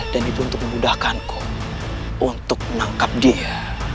dan itu untuk memudahkanku untuk menangkap dia